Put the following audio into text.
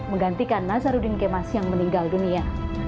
menggantikan nazarudin kemas yang meninggal dunia